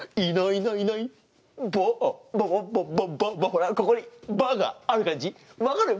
ほらここにバーがある感じ。